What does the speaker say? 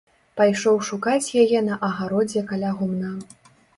Пайшоў шукаць яе на агародзе каля гумна.